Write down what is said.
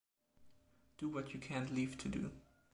Do what you can’t leave to do.